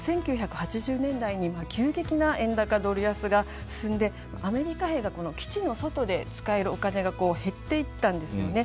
１９８０年代に急激な円高ドル安が進んでアメリカ兵が基地の外で使えるお金が減っていったんですよね。